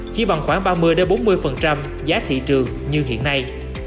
chỉ bằng khoảng ba mươi bốn mươi giá thị trường như hiện nay